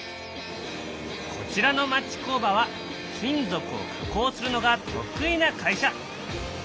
こちらの町工場は金属を加工するのが得意な会社。